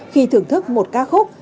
khi thưởng thức một ca khúc